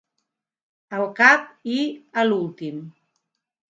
Al cap i a l'últim.